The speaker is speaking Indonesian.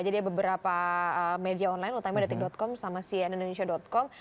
jadi beberapa media online utama detik com sama cnindonesia com